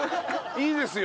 いいですか？